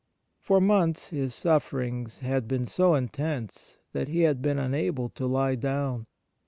For months his sufferings had been so intense that he had been unable to lie down.